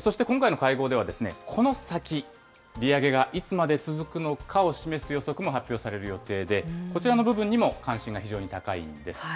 そして今回の会合では、この先、利上げがいつまで続くのかを示す予測も発表される予定で、こちらの部分にも関心が非常に高いんです。